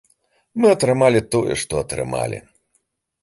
Мы атрымалі тое, што атрымалі.